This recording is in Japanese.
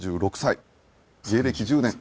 芸歴１０年。